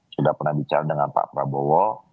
sudah pernah bicara dengan pak prabowo